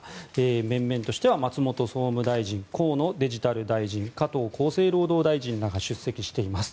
面々としては松本総務大臣河野デジタル大臣加藤厚生労働大臣らが出席しています。